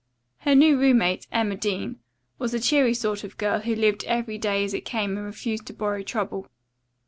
Her new roommate, Emma Dean, was a cheery sort of girl who lived every day as it came and refused to borrow trouble.